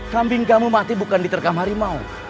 kambing kamu mati bukan diterkam harimau